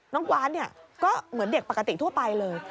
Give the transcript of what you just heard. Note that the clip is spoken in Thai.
น้องกวานเนี่ยก็เหมือนเด็กปกติทั่วไปเลย